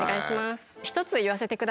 一つ言わせてください。